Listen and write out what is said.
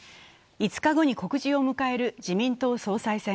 ５日後に告示を迎える自民党総裁選。